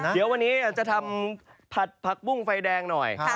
เดี๋ยววันนี้จะทำผัดผักบุ้งไฟแดงหน่อย